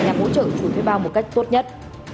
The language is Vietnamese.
hỗ trợ chủ thuê bao một cách tốt nhất